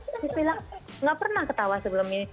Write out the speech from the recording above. dibilang nggak pernah ketawa sebelum ini